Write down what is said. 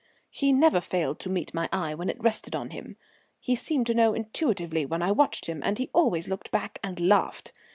He never failed to meet my eye when it rested on him; he seemed to know intuitively when I watched him, and he always looked back and laughed.